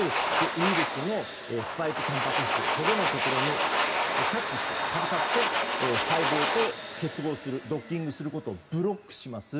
ウイルスのスパイクたんぱく質とげのところにキャッチしてかぶさって細胞と結合するドッキングすることをブロックします。